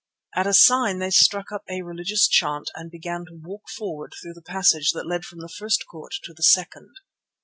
At a sign they struck up a religious chant and began to walk forward through the passage that led from the first court to the second.